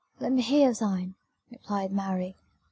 let me hear of thine," replied Mary.